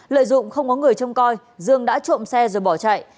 lợi dụng không có người trông coi dương đã trộm xe rồi bỏ chạy